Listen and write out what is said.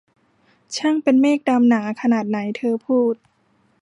ช่างเป็นเมฆดำหนาขนาดไหน !' เธอพูด